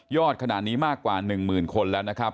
ขนาดนี้มากกว่า๑หมื่นคนแล้วนะครับ